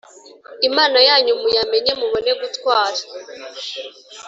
Imana Yanyu Muyamenye Mubone Gutwara